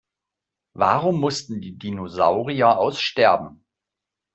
Warum mussten die Dinosaurier aussterben?